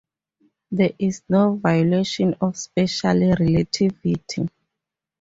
There is no violation of special relativity.